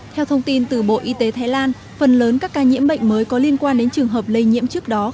theo thông tin từ bộ y tế thái lan phần lớn các ca nhiễm bệnh mới có liên quan đến trường hợp lây nhiễm trước đó